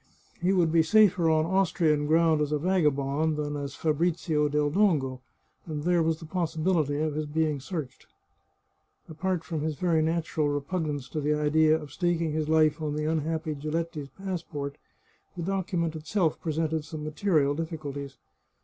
He would be safer on Austrian ground as a vagabond than as Fa brizio del Dongo, and there was the possibility of his being searched. Apart from his very natural repugnance to the idea of staking his life on the unhappy Giletti's passport, the docu ment itself presented some material difficulties.